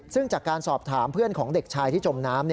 ซึ่งจากการสอบถามเพื่อนของเด็กชายที่จมน้ำ